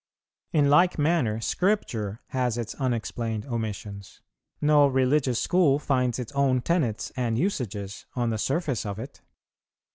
In like manner, Scripture has its unexplained omissions. No religious school finds its own tenets and usages on the surface of it.